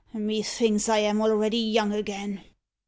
Methinks I am already young again!"